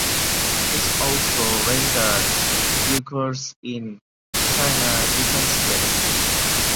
This also rendered Uyghurs in China defenceless.